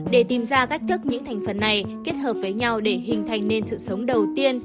để tìm ra cách thức những thành phần này kết hợp với nhau để hình thành nên sự sống đầu tiên